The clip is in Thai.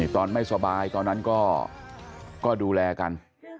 ตอนไม่สบายตอนนั้นก็ดูแลกัน